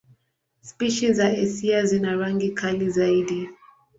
Spishi za Asia zina rangi kali zaidi.